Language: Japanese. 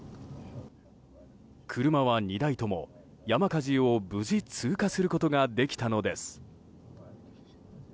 車は２台とも山火事を、無事通過することができたのです。